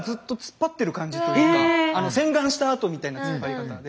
洗顔したあとみたいな突っ張り方で。